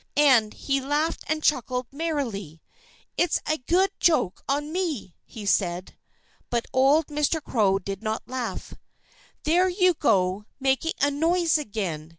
And he laughed and chuckled merrily. "It's a good joke on me!" he said. But old Mr. Crow did not laugh. "There you go, making a noise again!"